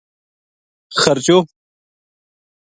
خرچو